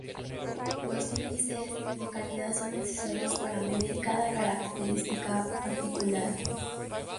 Los índices de calidad son necesarios para medir cada característica particular.